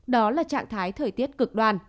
đó là trạng thái thời tiết cực đoan